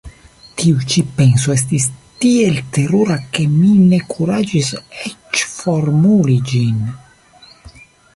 Tiu ĉi penso estis tiel terura, ke mi ne kuraĝis eĉ formuli ĝin.